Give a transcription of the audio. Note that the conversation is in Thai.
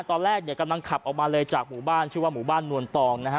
ตอนแรกเนี่ยกำลังขับออกมาเลยจากหมู่บ้านชื่อว่าหมู่บ้านนวลตองนะฮะ